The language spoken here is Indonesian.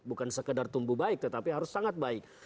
bukan sekedar tumbuh baik tetapi harus sangat baik